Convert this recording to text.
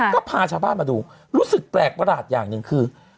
ก็พาชาวบ้านมาดูรู้สึกแปลกประหลาดอย่างหนึ่งคือ